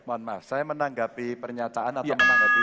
mohon maaf saya menanggapi pernyataan atau menanggapi